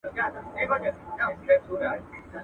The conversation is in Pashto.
اوس به څوك د ارغسان پر څپو ګرځي.